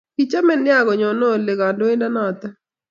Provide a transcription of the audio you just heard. Kichome nea konyone ole kandoindet noto